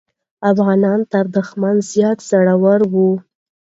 افغانان تر دښمن زیات زړور وو.